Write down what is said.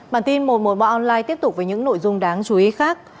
bản tin một trăm một mươi ba online tiếp tục với những nội dung đáng chú ý khác